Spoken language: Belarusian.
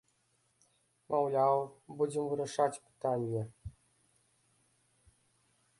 Маўляў, будзем вырашаць пытанне.